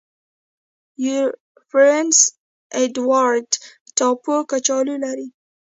پرنس اډوارډ ټاپو کچالو لري.